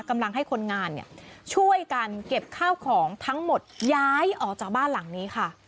กำลังให้คนงานเนี่ยช่วยกันเก็บข้าวของทั้งหมดย้ายออกจากบ้านหลังนี้ค่ะ